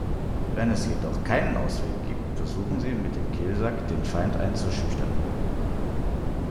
Wenn es jedoch keinen Ausweg gibt, versuchen sie, mit dem Kehlsack den Feind einzuschüchtern.